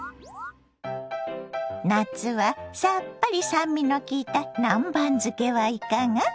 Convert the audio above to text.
夏はさっぱり酸味のきいた南蛮漬けはいかが？